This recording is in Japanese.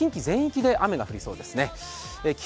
近畿全域で雨が降りそうですね。